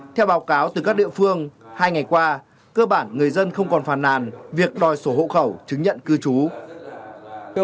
theo báo cáo từ các địa phương hai ngày qua cơ bản người dân không còn phàn nàn việc đòi sổ hộ khẩu chứng nhận cư trú